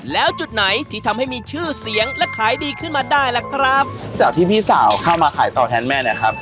แล้วจุดไหนที่ทำให้มีชื่อเสียงและขายดีขึ้นมาได้ล่ะครับจากที่พี่สาวเข้ามาขายต่อแทนแม่เนี่ยครับ